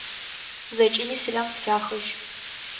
Зэкӏэми сэлам сфяхыжь!